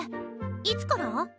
いつから？